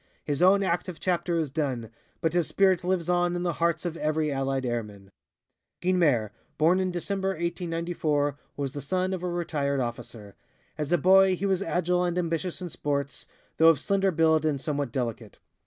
His own active chapter is done, but his spirit lives on in the hearts of every allied airman. Guynemer, born in December, 1894, was the son of a retired officer. As a boy he was agile and ambitious in sports, though of slender build and somewhat delicate.